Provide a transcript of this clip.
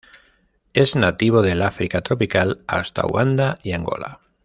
Es nativo del África tropical hasta Uganda y Angola.